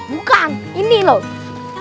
bukan ini loh